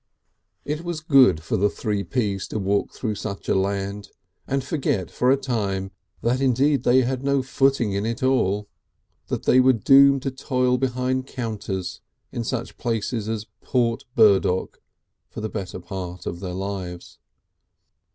It was good for the Three Ps to walk through such a land and forget for a time that indeed they had no footing in it all, that they were doomed to toil behind counters in such places as Port Burdock for the better part of their lives.